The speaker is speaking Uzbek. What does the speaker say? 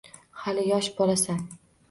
Hali yosh bolasan.